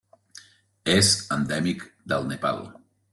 És endèmic del Nepal.